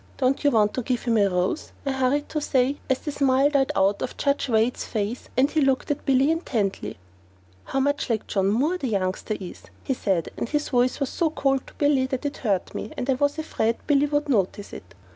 Don't you want to give him a rose?" I hurried to say, as the smile died out of Judge Wade's face and he looked at Billy intently. "How like John Moore the youngster is!" he said, and his voice was so cold to Billy that it hurt me, and I was afraid Billy would notice it.